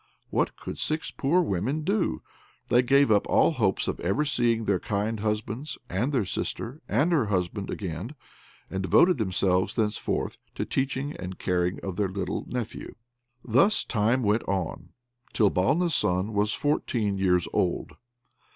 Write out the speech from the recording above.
What could six poor women do? They gave up all hopes of ever seeing their kind husbands, and their sister, and her husband, again, and devoted themselves thenceforward to teaching and taking care of their little nephew. Thus time went on, till Balna's son was fourteen years old.